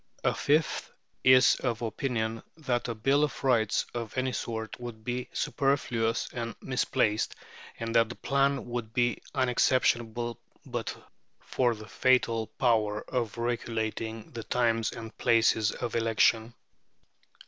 A fifth is of opinion that a bill of rights of any sort would be superfluous and misplaced, and that the plan would be unexceptionable but for the fatal power of regulating the times and places of election.